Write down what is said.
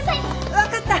分かった！